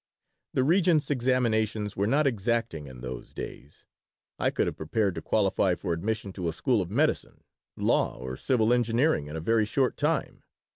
The Regents' examinations were not exacting in those days. I could have prepared to qualify for admission to a school of medicine, law, or civil engineering in a very short time.